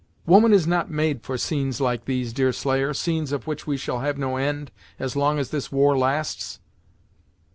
"Woman is not made for scenes like these, Deerslayer, scenes of which we shall have no end, as long as this war lasts."